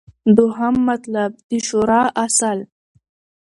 دوهم مطلب : د شورا اصل